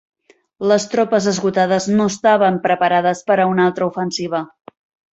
Les tropes esgotades no estaven preparades per a una altra ofensiva.